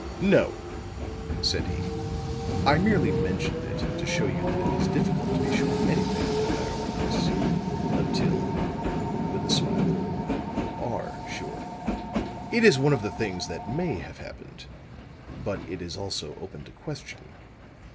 "No," said he. "I merely mentioned it to show you that it is difficult to be sure of anything in a matter like this until," with a smile, "you are sure. It is one of the things that may have happened; but it is also open to question.